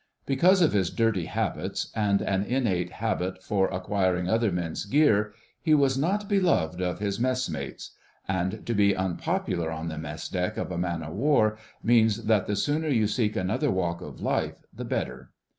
Because of his dirty habits and an innate habit for acquiring other men's gear, he was not beloved of his messmates; and to be unpopular on the mess deck of a man of war means that the sooner you seek another walk of life the better.